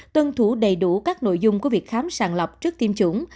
tuân thủ đầy đủ các nội dung của việc khám sàng lọc trước tiêm chủng